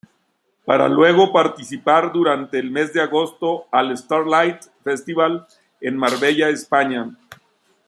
Para luego participar durante el mes de agosto al "Starlite Festival" en Marbella, España.